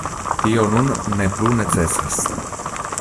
Tio nun ne plu necesas.